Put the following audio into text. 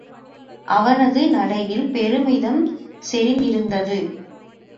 அவனது நடையில் பெருமிதம் செறிந்திருந்தது.